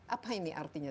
apa ini artinya